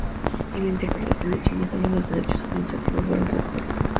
En la interpretación de China, sólo los derechos administrativos fueron transferidos.